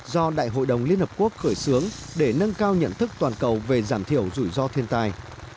do đại hội đồng liên hợp quốc khởi xướng để nâng cao nhận thức toàn cầu về giảm thiểu rủi ro thiên tai